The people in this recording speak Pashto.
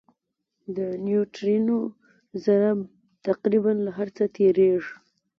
د نیوټرینو ذره تقریباً له هر څه تېرېږي.